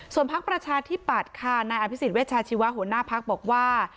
ส่วนภาคประชาธิปัตย์ค่ะนายอภิษฐ์เวชาชีวะหัวหน้าภักดิ์บอกว่า